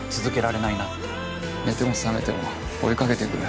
寝ても覚めても追いかけてくる。